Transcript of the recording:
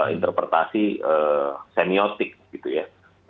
interpretasi semiotik gitu ya